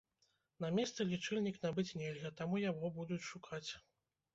На месцы лічыльнік набыць нельга, таму яго будуць шукаць.